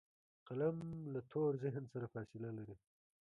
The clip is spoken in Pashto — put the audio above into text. قلم له تور ذهن سره فاصله لري